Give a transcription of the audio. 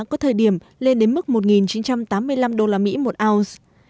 có thời điểm lên đến mức một chín trăm tám mươi năm usd một ounce